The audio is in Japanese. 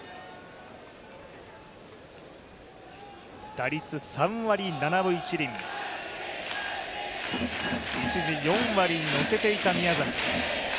打率３割７分１厘、一時、４割に乗せていた宮崎。